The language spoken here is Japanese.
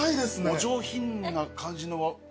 お上品な感じの奥に。